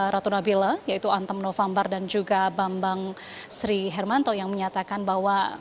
ratu nabila yaitu antam novambar dan juga bambang sri hermanto yang menyatakan bahwa